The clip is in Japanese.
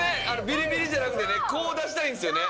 ビリビリじゃなくてねこう出したいんですよね。